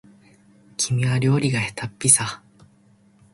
君は料理がへたっぴさ